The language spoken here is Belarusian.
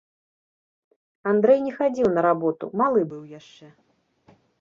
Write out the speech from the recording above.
Андрэй не хадзіў на работу, малы быў яшчэ.